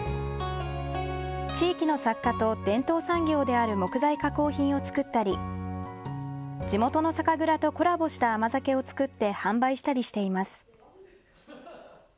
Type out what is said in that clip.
地域の作家と伝統産業である木材加工品を作ったり地元の酒蔵とコラボした甘酒を造って販売したりしています。